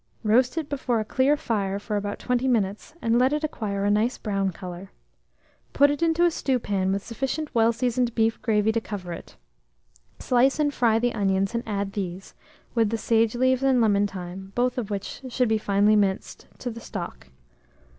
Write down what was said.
Roast it before a clear fire for about 20 minutes, and let it acquire a nice brown colour. Put it into a stewpan with sufficient well seasoned beef gravy to cover it; slice and fry the onions, and add these, with the sage leaves and lemon thyme, both of which should be finely minced, to the stock.